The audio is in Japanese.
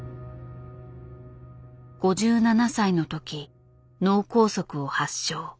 ５７歳の時脳梗塞を発症。